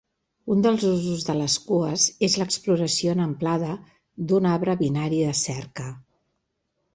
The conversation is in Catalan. Un dels usos de les cues és l'exploració 'en amplada' d'un arbre binari de cerca.